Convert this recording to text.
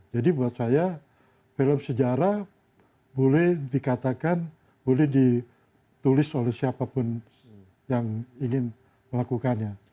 jadi buat saya film sejarah boleh dikatakan boleh ditulis oleh siapa pun yang ingin melakukannya